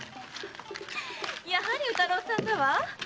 やはり宇太郎さんだわ。